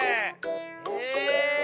え。